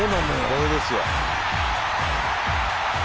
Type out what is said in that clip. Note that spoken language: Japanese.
「これですよ」